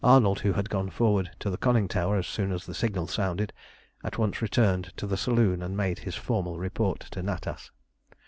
Arnold, who had gone forward to the conning tower as soon as the signal sounded, at once returned to the saloon and made his formal report to Natas.